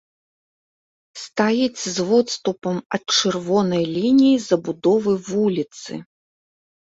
Стаіць з водступам ад чырвонай лініі забудовы вуліцы.